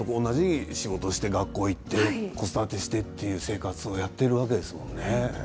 仕事をして学校に行って子育てをしてという生活をやっているわけですよね。